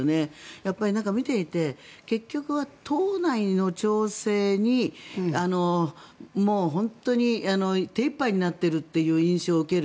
やっぱり見ていて結局は党内の調整にもう本当に手いっぱいになっているという印象を受ける。